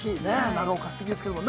長岡すてきですけども。